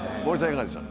いかがでした？